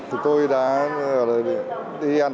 thì tôi đã đi ăn